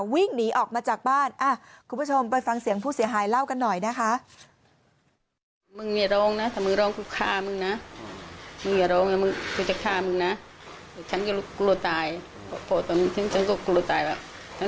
วิ่งหนีออกมาจากบ้าน